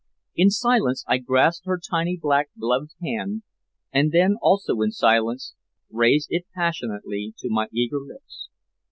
In silence I grasped her tiny black gloved hand, and then, also in silence, raised it passionately to my eager lips.